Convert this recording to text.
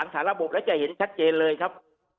ฐานระบบแล้วจะเห็นชัดเจนเลยครับ